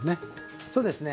そうですね